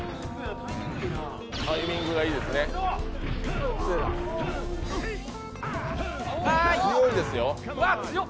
タイミングがいいですね、強いですよ。